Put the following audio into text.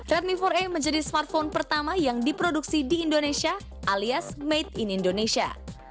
redmi empat a menjadi smartphone pertama yang diproduksi di indonesia alias made in indonesia